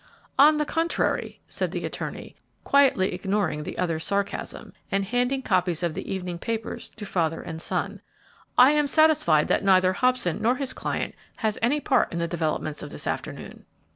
"On the contrary," said the attorney, quietly ignoring the other's sarcasm, and handing copies of the evening papers to father and son, "I am satisfied that neither Hobson nor his client has any part in the developments of this afternoon."